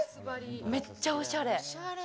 めっちゃおしゃれ！